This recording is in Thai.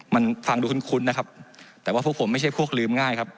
มันฟังดูคุ้นนะครับแต่ว่าพวกผมไม่ใช่พวกลืมง่ายครับ